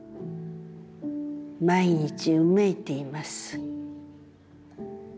毎日呻いています。